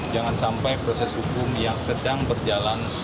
jangan sampai proses hukum yang sedang berjalan